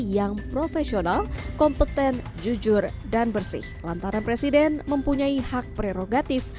yang profesional kompeten jujur dan bersih lantaran presiden mempunyai hak prerogatif